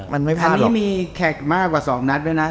มันไม่แพ้อันนี้มีแขกมากกว่าสองนัดด้วยนะ